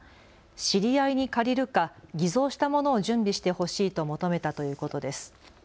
知り合いに借りるか偽造したものを準備してほしいと求めたということです。